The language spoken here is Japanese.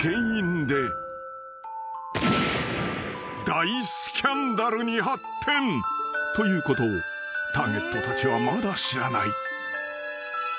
［大スキャンダルに発展ということをターゲットたちはまだ知らない］